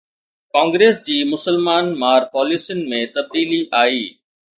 Congress جي مسلمان مار پاليسين ۾ تبديلي آئي